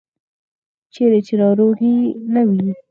چیرې چې ناروغي نه وي.